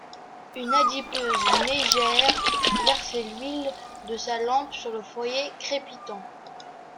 Une adipeuse mégère versait l'huile de sa lampe sur le foyer crépitant.